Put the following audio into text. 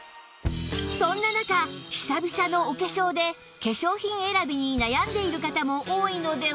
そんな中久々のお化粧で化粧品選びに悩んでいる方も多いのでは？